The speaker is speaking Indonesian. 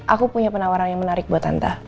aku punya penawaran yang menarik buat hanta